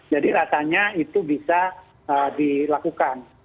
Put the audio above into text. jadi rasanya itu bisa dilakukan